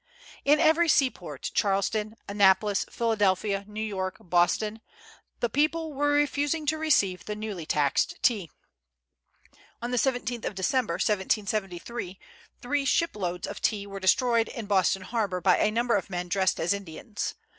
In every seaport Charleston, Annapolis, Philadelphia, New York, Boston the people were refusing to receive the newly taxed tea. On the 17th of December, 1773, three shiploads of tea were destroyed in Boston harbor by a number of men dressed as Indians.